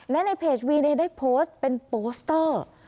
และในเพจวีเนย์ได้โพสต์เป็นโปสเตอร์